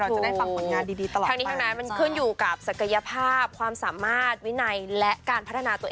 ทางนี้ทั้งนั้นมันขึ้นอยู่กับศักยภาพความสามารถวินัยและการพัฒนาตัวเอง